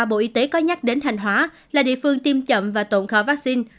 bộ y tế có nhắc đến thành hóa là địa phương tiêm chậm và tồn kho vaccine